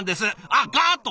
あっガーッと！